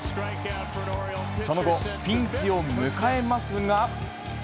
その後、ピンチを迎えますが。